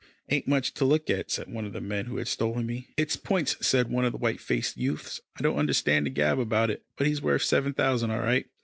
"Ain't much to look at," said one of the men who had stolen me. "It's points," said one of the white faced youths. "I don't understand the gab about it, but he's worth seven thousand all right."